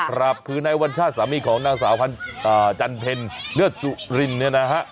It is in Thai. ครับคือในวันชาติสามีของนางสาวพันธ์จันเพลเนื้อจุรินเนี่ยนะฮะ